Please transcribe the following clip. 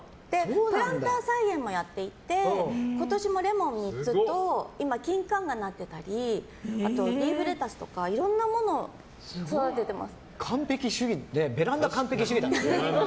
プランター菜園もやっていて今年もレモン３つと今、キンカンがなってたりリーフレタスとか完璧主義、ベランダ完璧主義。